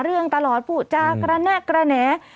เรื่องตลอดพูดจากระแนะกระแหน่